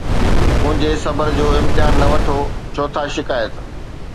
منهنجي صبر جو امتحان نه وٺو، ڇو ٿا شڪايت؟